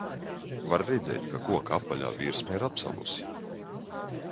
Var redzēt, ka koka apaļā virsma ir apsalusi.